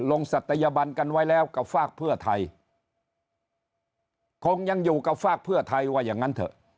ศัตยบันกันไว้แล้วกับฝากเพื่อไทยคงยังอยู่กับฝากเพื่อไทยว่าอย่างนั้นเถอะ